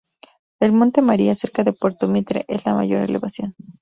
El Monte María, cerca de Puerto Mitre, es la mayor elevación.